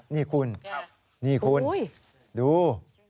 นี่คุณนี่คุณดู